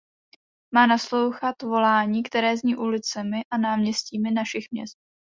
Má naslouchat volání, které zní ulicemi a náměstími našich měst.